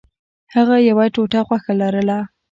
هغه یوه ټوټه غوښه لرله.